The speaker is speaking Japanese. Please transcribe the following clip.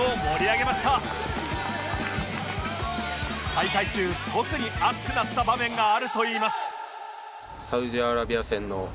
大会中特に熱くなった場面があるといいます